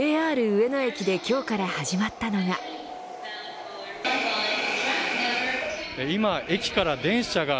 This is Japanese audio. ＪＲ上野駅で今日から始まったのが。